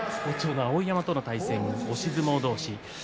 好調の碧山との対戦押し相撲同士。